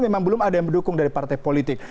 memang belum ada yang mendukung dari partai politik